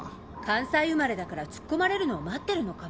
関西生まれだからツッコまれるのを待ってるのかも。